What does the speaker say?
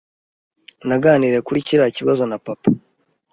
Naganiriye kuri kiriya kibazo na papa.